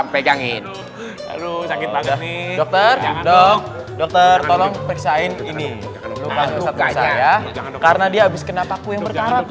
pegangin dokter dokter tolong periksa ini karena dia habis kena takut yang berkarat